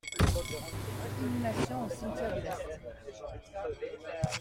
Inhumation au cimetière de l'Est.